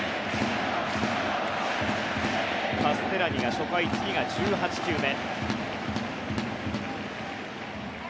カステラニが初回次が１８球目。